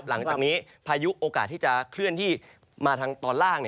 หลังจากนี้พายุโอกาสที่จะเคลื่อนที่มาทางตอนล่าง